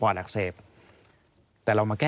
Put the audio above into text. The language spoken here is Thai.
สวัสดีค่ะที่จอมฝันครับ